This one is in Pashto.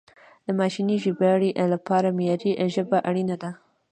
د ماشیني ژباړې لپاره معیاري ژبه اړینه ده.